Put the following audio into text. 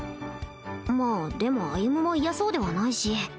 まあでも歩も嫌そうではないし